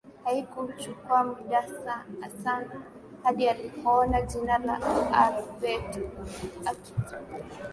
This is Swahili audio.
Haikuchukuwa mud asana hadi alipoona jina la Alberto Kito akasoma namba ya nyumba